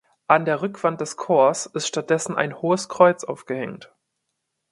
An der Rückwand des Chors ist stattdessen ein hohes Kreuz aufgehängt.